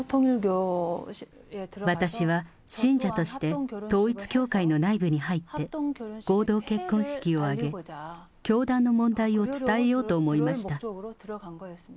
私は信者として統一教会の内部に入って、合同結婚式を挙げ、教団の問題を伝えようと思いました。